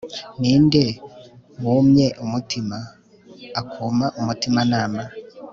ninde wumye umutima, akuma umutimanama